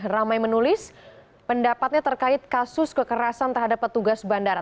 ramai menulis pendapatnya terkait kasus kekerasan terhadap petugas bandara